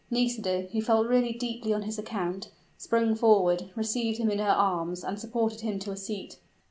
Nisida, who really felt deeply on his account, sprung forward received him in her arms and supported him to a seat.